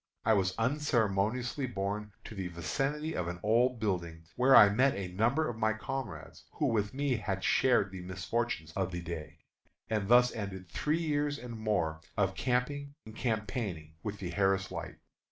I was unceremoniously borne to the vicinity of an old building, where I met a number of my comrades, who with me had shared the misfortunes of the day. And thus ended three years and more of camping and campaigning with the Harris Light.